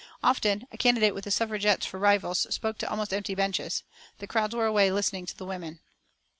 Often, a candidate with the Suffragettes for rivals spoke to almost empty benches. The crowds were away listening to the women.